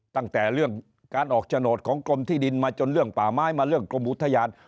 ตั้งแต่เรื่องการออกโฉนดของกรมที่ดินมาจนเรื่องป่าไม้มาเรื่องกรมอุทยาน